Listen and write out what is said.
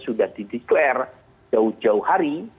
sudah dideklarasi jauh jauh hari